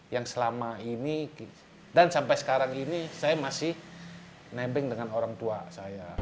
yang selama ini dan sampai sekarang ini saya masih nebeng dengan orang tua saya